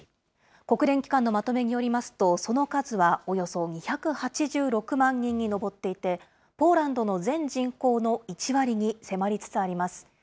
国連機関のまとめによりますと、その数はおよそ２８６万人に上っていて、ポーランドの全人口の１割に迫りつつあります。